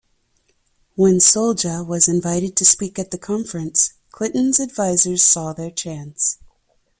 When Souljah was invited to speak at the conference, Clinton's advisors saw their chance.